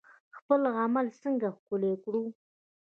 خپل عمل څنګه ښکلی کړو؟